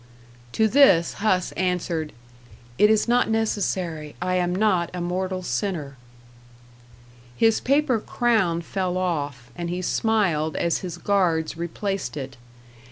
To this Huss answered, "It is not necessary: I am not a mortal sinner." His paper crown fell off and he smiled as his guards replaced it.